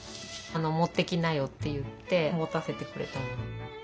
持ってきなよって言って持たせてくれたもの。